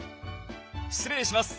失礼します。